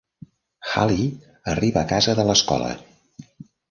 Hally arriba a casa de l'escola.